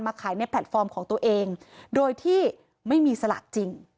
ขายในแพลตฟอร์มของตัวเองโดยที่ไม่มีสลากจริง